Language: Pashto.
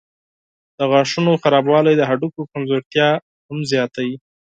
د غاښونو خرابوالی د هډوکو کمزورتیا هم زیاتوي.